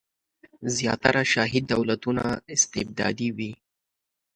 زیاتره شاهي دولتونه استبدادي وي.